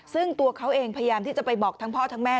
ซึ่งตัวเขาเองพยายามที่จะไปบอกทั้งพ่อทั้งแม่